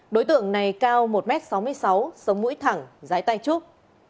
đối tượng này cao một m sáu mươi sáu sống mũi thẳng rái tay trúc